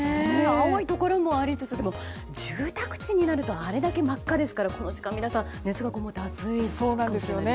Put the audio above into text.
青いところもありつつでも住宅地になるとあれだけ真っ赤ですからこの時間はものすごく暑いということですね。